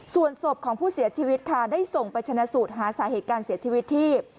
ส่วนศพของผู้เสียชีวิตค่ะได้ส่งไปชนะสูตรหาสาเหตุการเสียชีวิตที่